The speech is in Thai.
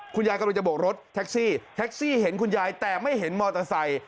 คุณยายกำลังจะโบกรถแท็กซี่แท็กซี่เห็นคุณยายแต่ไม่เห็นมอเตอร์ไซค์